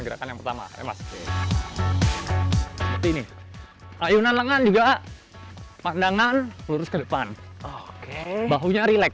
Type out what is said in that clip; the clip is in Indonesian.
gerakan yang pertama ya mas ini layunan lengan juga pandangan lurus ke depan bahunya relax